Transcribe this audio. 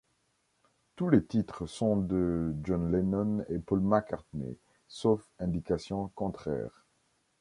Tous les titres sont de John Lennon et Paul McCartney, sauf indication contraire.